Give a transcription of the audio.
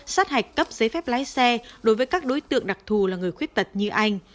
sát hạch cấp giấy phép lái xe đối với các đối tượng đặc thù là người khuyết tật như anh